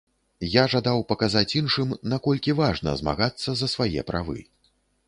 Я жадаў паказаць іншым, наколькі важна змагацца за свае правы.